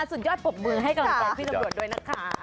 สุดยอดปรบมือให้กำลังใจพี่ตำรวจด้วยนะคะ